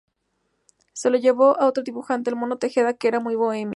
Se lo llevaron a otro dibujante, el Mono Tejeda, que era muy bohemio.